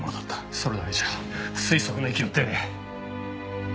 それだけじゃ推測の域を出ねえ。